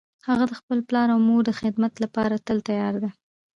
هغه د خپل پلار او مور د خدمت لپاره تل تیار ده